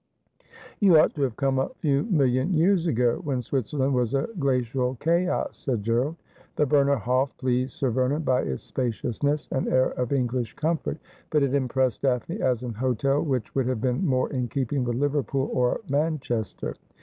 ' You ought to have come a few million years ago, when Switzerland was a glacial chaos,' said Gerald. The Berner Hof pleased Sir Vernon by its spaciousness and air of English comfort, but it impressed Daphne as an hotel which would have been more in keeping with Liverpool or Manchester.